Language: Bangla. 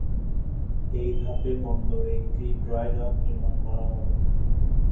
এই ধাপে বন্দরে একটি ড্রাই ডক নির্মাণ করা হবে।